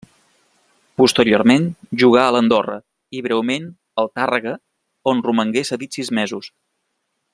Posteriorment jugà a l'Andorra i breument al Tàrrega on romangué cedit sis mesos.